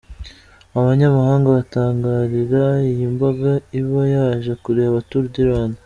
Abanyamahanga batangarira iyi mbaga iba yaje kureba tour du Rwanda.